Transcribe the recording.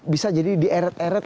bisa jadi di eret eret